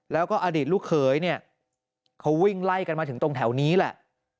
แล้วก็อดีตลูกเขยเนี่ยเขาวิ่งไล่กันมาถึงตรงแถวนี้แหละ